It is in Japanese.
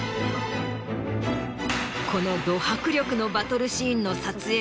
このド迫力のバトルシーンの撮影